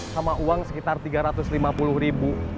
sama uang sekitar tiga ratus lima puluh ribu